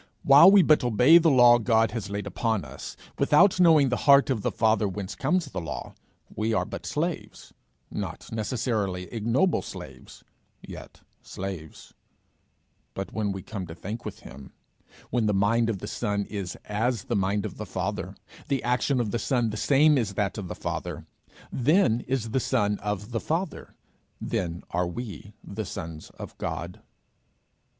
While we but obey the law God has laid upon us, without knowing the heart of the Father whence comes the law, we are but slaves not necessarily ignoble slaves, yet slaves; but when we come to think with him, when the mind of the son is as the mind of the Father, the action of the son the same as that of the Father, then is the son of the Father, then are we the sons of God.